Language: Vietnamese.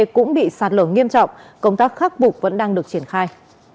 các vụ vẫn đang được triển khai